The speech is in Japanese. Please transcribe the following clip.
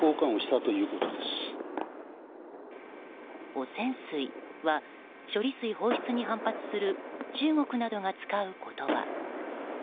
汚染水は処理水放出に反発する中国などが使う言葉。